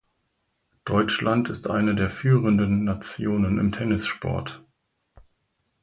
Deutschland ist eine der führenden Nationen im Tennissport.